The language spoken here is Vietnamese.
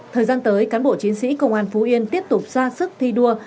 thời gian tới cán bộ chiến sĩ công an phú yên tiếp tục ra sức thi đua